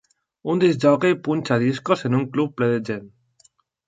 Un discjòquei punxa discos en un club ple de gent.